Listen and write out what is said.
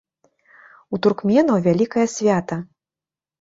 У туркменаў вялікае свята.